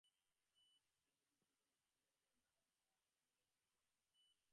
মজুত চিনি বিক্রির জন্যই মন্ত্রণালয় দাম কমাল বলে মনে করা হচ্ছে।